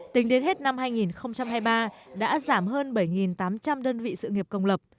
tính đến hết năm hai nghìn hai mươi ba đã giảm hơn bảy tám trăm linh đơn vị sự nghiệp công lập